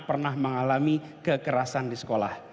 pernah mengalami kekerasan di sekolah